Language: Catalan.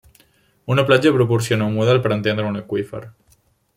Una platja proporciona un model per entendre un aqüífer.